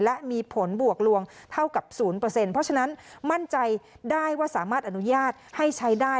และมีผลบวกลวงเท่ากับ๐เพราะฉะนั้นมั่นใจได้ว่าสามารถอนุญาตให้ใช้ได้